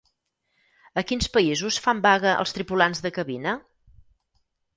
A quins països fan vaga els tripulants de cabina?